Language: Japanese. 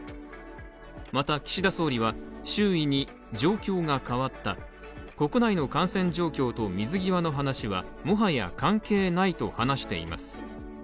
また岸田総理は、周囲に状況が変わった国内の感染状況と水際の話はもはや関係ないと話しています。